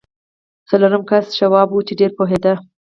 څلورم کس یې شواب و چې ډېر پوهېده